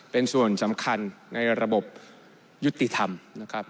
เป็นส่วนสำคัญในระบบยุติธรรมนะครับ